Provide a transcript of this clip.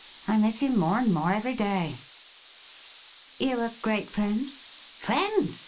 I miss him more and more every day.' ' You were great friends i"' ' Friends